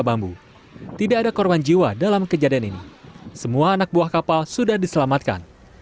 bambu tidak ada korban jiwa dalam kejadian ini semua anak buah kapal sudah diselamatkan